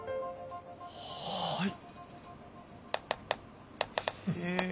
はい？